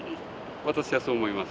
私はそう思います。